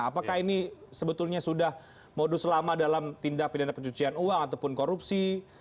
apakah ini sebetulnya sudah modus lama dalam tindak pidana pencucian uang ataupun korupsi